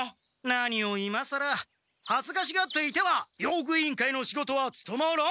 はずかしがっていては用具委員会の仕事はつとまらん！